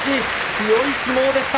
強い相撲でした。